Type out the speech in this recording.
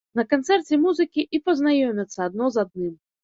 На канцэрце музыкі і пазнаёмяцца адно з адным.